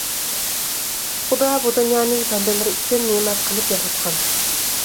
خۇدا بۇ دۇنيانى بەندىلىرى ئۈچۈن نېمەت قىلىپ ياراتقان.